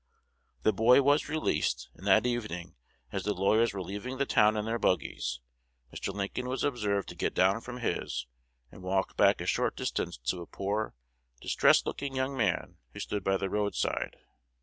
The boy was released; and that evening, as the lawyers were leaving the town in their buggies, Mr. Lincoln was observed to get down from his, and walk back a short distance to a poor, distressed looking young man who stood by the roadside.